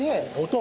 音！